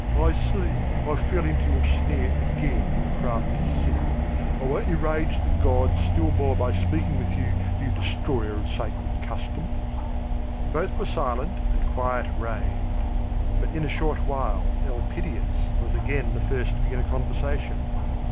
"I see, I fell into your snare again, you crafty sinner! I won't enrage the gods still more by speaking with you, you destroyer of sacred customs." Both were silent, and quiet reigned. But in a short while Elpidias was again the first to begin a conversation.